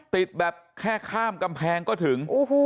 ติดแบบแค่ข้ามกำแพงก็ถึง